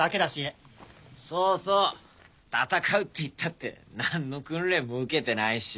そうそう戦うっていったって何の訓練も受けてないし。